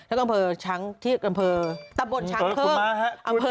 แล้วก็อำเภอช้างที่อำเภอตำบลช้างเพิ่ม